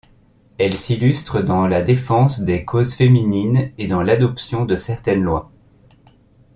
Elle s'illustre dans la défense des causes féminines et dans l'adoption de certaines lois.